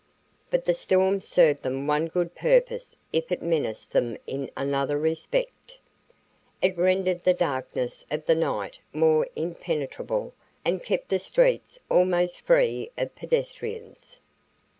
But the storm served them one good purpose if it menaced them in another respect. It rendered the darkness of the night more impenetrable and kept the streets almost free of pedestrians.